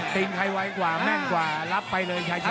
ตริงใครไว้กว่าแม่งกว่ารับไปเลยใช้ชนะ